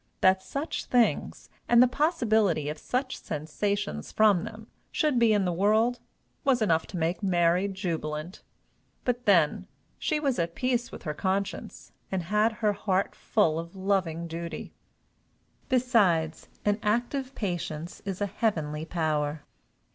That such things, and the possibility of such sensations from them, should be in the world, was enough to make Mary jubilant. But, then, she was at peace with her conscience, and had her heart full of loving duty. Besides, an active patience is a heavenly power.